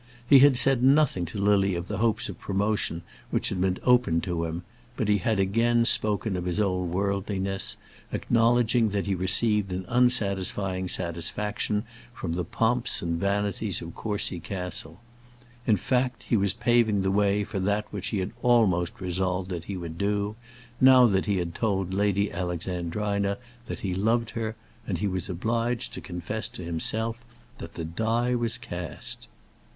He had said nothing to Lily of the hopes of promotion which had been opened to him; but he had again spoken of his own worldliness acknowledging that he received an unsatisfying satisfaction from the pomps and vanities of Courcy Castle. In fact he was paving the way for that which he had almost resolved that he would do, now he had told Lady Alexandrina that he loved her; and he was obliged to confess to himself that the die was cast.